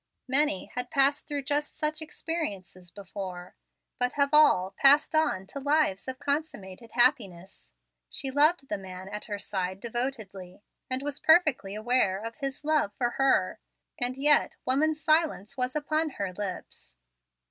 Many had passed through just such experiences before, but have all passed on to lives of consummated happiness? She loved the man at her side devotedly, and was perfectly aware of his love for her, and yet woman's silence was upon her lips.